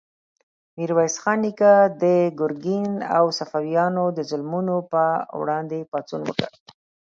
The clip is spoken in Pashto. میرویس خان نیکه د ګرګین او صفویانو د ظلمونو په وړاندې پاڅون وکړ.